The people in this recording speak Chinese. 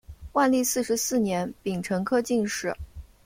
万历四十四年丙辰科进士。